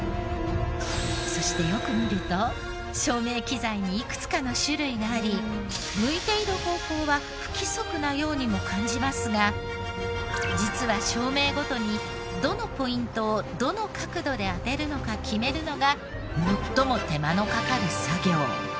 そしてよく見ると照明機材にいくつかの種類があり向いている方向は不規則なようにも感じますが実は照明ごとにどのポイントをどの角度で当てるのか決めるのが最も手間のかかる作業。